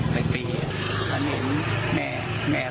ใบปีครั้งนี้แม่